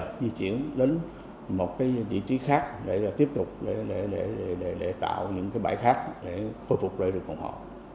là di chuyển đến một cái vị trí khác để là tiếp tục để tạo những cái bãi khác để khôi phục lại được bọn họ